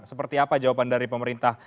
seperti apa jawaban dari pemerintah